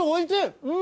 うん！